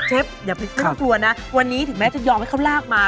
เอาเชฟคุณไม่ตลอดกลัวนะวันนี้ถึงแม้จะยอมให้เขารากมา